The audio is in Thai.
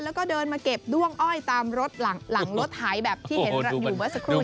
แล้วก็เดินมาเก็บด้วงอ้อยตามรถหลังรถหายแบบที่เห็นอยู่เมื่อสักครู่